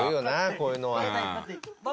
こういうのは。